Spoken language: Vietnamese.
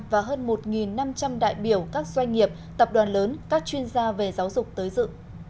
và hơn một năm trăm linh đại biểu các doanh nghiệp tập đoàn lớn các chuyên gia về giáo dục tới dự